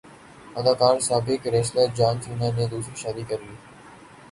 اداکار سابق wrestler John Cena نے دوسری شادی کرلی